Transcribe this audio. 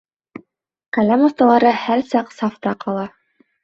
Ҡәләм оҫталары һәр саҡ сафта ҡала.